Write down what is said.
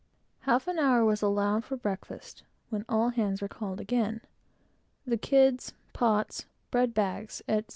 Half an hour was allowed for breakfast, when all hands were called again; the kids, pots, bread bags, etc.